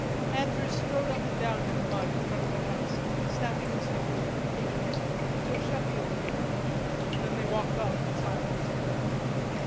Andrews strode up and down in the mud in front of the house, snapping his fingers with impatience, until Sheffield came out, then they walked off in silence.